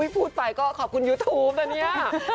พูดไปก็ขอบคุณยูทูปนะเนี่ย